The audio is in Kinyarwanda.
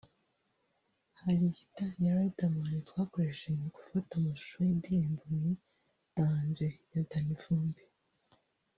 hari gitari ya Riderman twakoresheje mu gufata amashusho y’indirimbo ‘Ni Danger’ ya Danny Vumbi